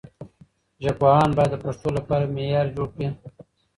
ژبپوهان باید د پښتو لپاره معیار جوړ کړي.